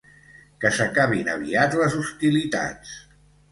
Que s’acabin aviat les hostilitats!